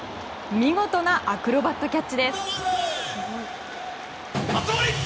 見事なアクロバットキャッチです。